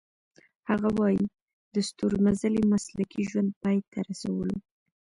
هغه وايي د ستورمزلۍ مسلکي ژوند پای ته رسولو .